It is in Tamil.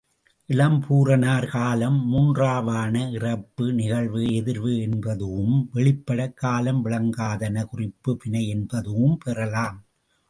இளம்பூரணர் காலம் மூன்றாவன இறப்பு, நிகழ்வு, எதிர்வு என்பதூஉம், வெளிப்படக் காலம் விளங்காதன குறிப்பு வினை என்பதூஉம் பெற்றாம்.